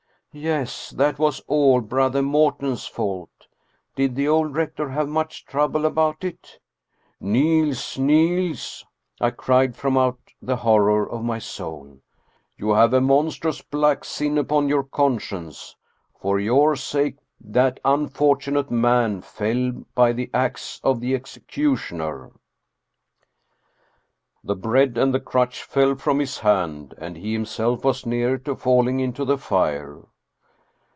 " Yes, that was all Brother Morten's fault. Did the old rector have much trouble about it?" " Niels ! Niels !" I cried from out the horror of my soul, " you have a monstrous black sin upon your conscience ! 301 Scandinavian Mystery Stories For your sake that unfortunate man fell by the ax of the executioner! " The bread and the crutch fell from his hand, and he him self was near to falling into the fire.